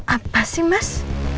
apa sih mas